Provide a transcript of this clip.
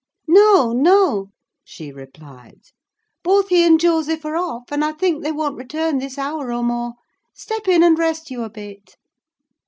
"No, no," she replied: "both he and Joseph are off, and I think they won't return this hour or more. Step in and rest you a bit."